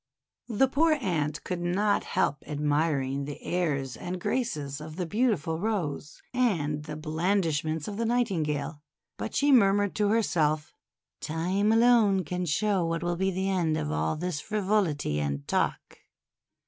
The poor Ant could not help admiring the airs and graces of the beautiful Rose and the blandishments of the Nightingale, but she mur mured to herself: — 'Time alone can show what will be the end of all this frivolity and talk."